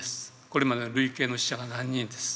これまでの累計の死者が何人です」。